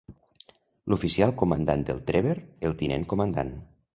L'oficial comandant del "Trever", el tinent comandant.